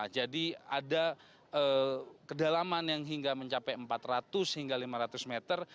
jadi ada kedalaman yang hingga mencapai empat ratus hingga lima ratus meter